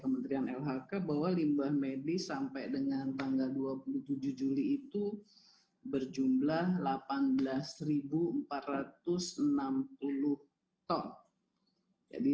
kementerian lhk bahwa limbah medis sampai dengan tanggal dua puluh tujuh juli itu berjumlah delapan belas empat ratus enam puluh ton jadi